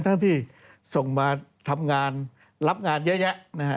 ทั้งที่ส่งมาทำงานรับงานเยอะแยะนะฮะ